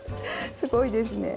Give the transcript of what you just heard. すごいですね。